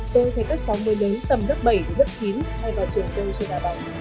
tôi thấy các cháu mới lớn tầm lớp bảy lớp chín hay vào trường kêu trên đà bằng